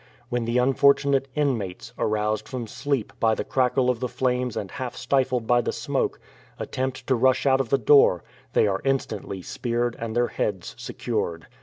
When the unfortunate inmates, aroused from sleep by the crackle of the flames and half stifled by the smoke, attempt to rush out of the door, they are instantly speared and their heads secured.